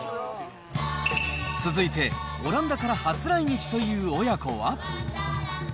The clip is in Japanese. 続いて、オランダから初来日という親子は。